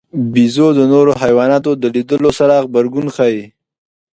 بیزو د نورو حیواناتو د لیدلو سره غبرګون ښيي.